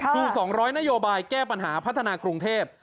คือ๒๐๐นโยบายแก้ปัญหาพัฒนากรุงเทพ